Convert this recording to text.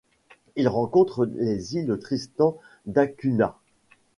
Il rencontre les îles Tristan D’Acunha.